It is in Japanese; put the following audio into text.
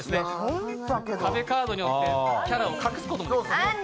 壁カードを使って自分のキャラを隠すこともできます。